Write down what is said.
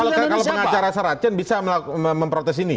kalau pengacara saracen bisa memprotes ini